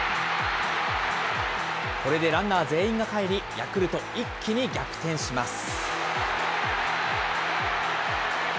これでランナー全員がかえり、ヤクルト、一気に逆転します。